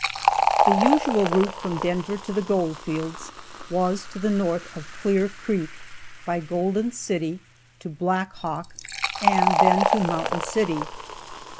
The usual route from Denver to the gold fields, was to the north of Clear creek, by Golden City to Blackhawk, and then to Mountain City.